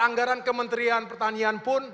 anggaran kementerian pertanian pun